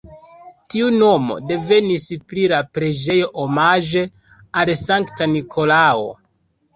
Tiu nomo devenis pri la preĝejo omaĝe al Sankta Nikolao.